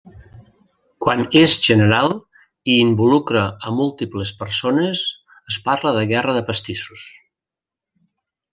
Quan és general i involucra a múltiples persones es parla de guerra de pastissos.